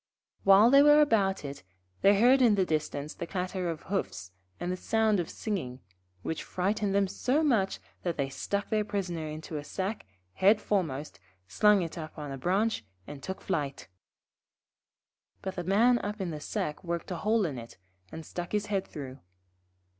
While they were about it, they heard in the distance the clatter of hoofs and the sound of singing, which frightened them so much that they stuck their Prisoner into a sack, head foremost, slung it up on a branch, and took to flight. But the Man up in the sack worked a hole in it, and stuck his head through.